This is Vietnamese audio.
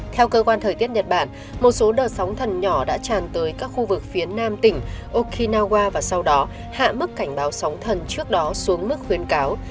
theo cơ quan thời tiết nhật bản một số đợt sóng thần nhỏ đã tràn tới các khu vực phía nam tỉnh okinawa và sau đó hạ mức cảnh báo sóng thần trước đó xuống mức khuyến cáo